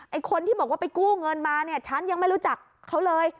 คนที่บอกว่าไปกู้เงินมาเนี่ยฉันยังไม่รู้จักเขาเลย